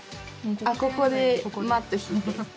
あここでマットひいて。